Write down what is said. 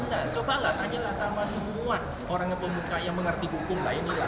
dan cobalah tanyalah sama semua orang yang mengerti hukum lainnya